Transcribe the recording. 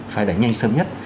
phải đẩy nhanh sớm nhất